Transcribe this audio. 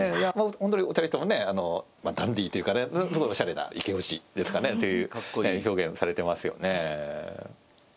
ほんとに２人ともねダンディーというかねおしゃれなイケオジですかねという表現をされてますよね。